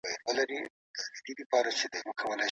د ماشومانو معصومانه پوښتنو ته تل سم ځوابونه ورکړئ.